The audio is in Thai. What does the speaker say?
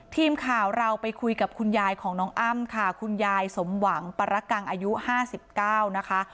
ทีมข่าวเราไปคุยกับคุณยายของน้องอ้ำค่ะคุณยายสมหวังปรกังอายุ๕๙นะคะ